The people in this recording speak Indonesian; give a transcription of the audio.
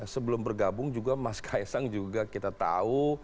sebelum bergabung juga mas kaisang juga kita tahu